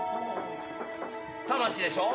田町でしょ。